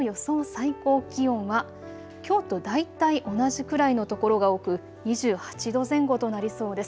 最高気温はきょうと大体同じくらいのところが多く２８度前後となりそうです。